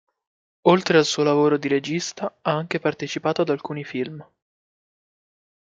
Oltre al suo lavoro di regista ha anche partecipato ad alcuni film.